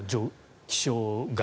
気象が。